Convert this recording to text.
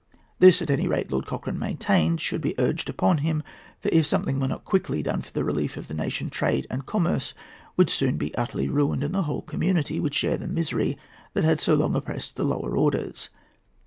This, at any rate, Lord Cochrane maintained should be urged upon him, for if something were not quickly done for the relief of the nation, trade and commerce would soon be utterly ruined, and the whole community would share the misery that had so long oppressed the lower orders.